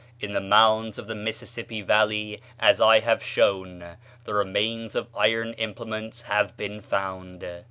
In the mounds of the Mississippi Valley, as I have shown, the remains of iron implements have been found.